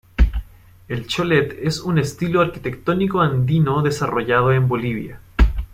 El cholet es un estilo arquitectónico andino desarrollado en Bolivia.